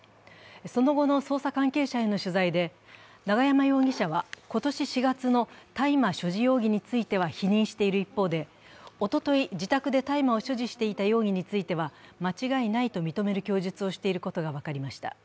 その後の捜査関係者への取材で、永山容疑者は今年４月の大麻所持容疑については否認している一方で、おととい、自宅で大麻を所持していた容疑については間違いないと認める供述をしていることが分かりました。